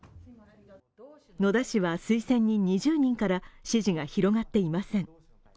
野田氏は推薦人２０人から支持が広がっていません。